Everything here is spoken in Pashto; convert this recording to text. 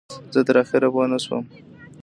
زه تر اخره پوی نشوم.